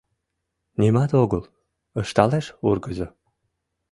— Нимат огыл, — ышталеш ургызо.